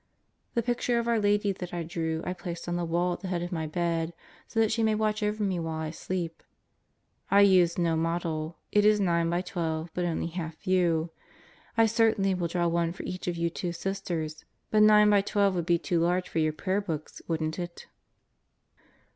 The picture of our Lady that I drew I placed on the wail at the head of my bed so that she may watch over me while I sleep. I used no model. It is 9 by 12, but only half view. I certainly will draw one for each of you two Sisters, but 9 by 12 would be too large for your prayer books, wouldn't it?